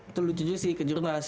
itu lucu sih kejurnas